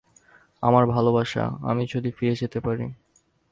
আমার ভালবাসা, আমি যদি ফিরে যেতে পারি।